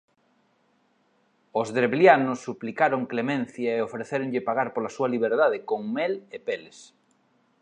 Os drevlianos suplicaron clemencia e ofrecéronlle pagar pola súa liberdade con mel e peles.